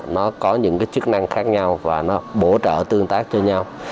nó có những cái chức năng khác nhau và nó bổ trợ tương tác cho nhau